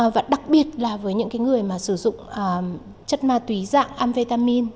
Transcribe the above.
và đặc biệt là với những cái người mà sử dụng chất ma túy dạng amphetamine